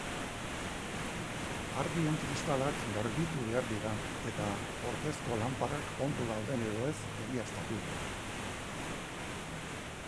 Argien kristalak garbitu behar dira eta ordezko lanparak ondo dauden edo ez egiaztatu.